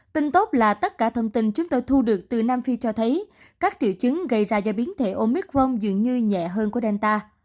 tin tốt là tất cả thông tin chúng tôi thu được từ nam phi cho thấy các triệu chứng gây ra do biến thể omicron dường như nhẹ hơn của delta